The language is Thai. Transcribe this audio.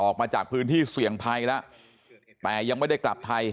ออกมาจากพื้นที่เสี่ยงภัยแล้วแต่ยังไม่ได้กลับไทย